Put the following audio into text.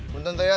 benteng teh ya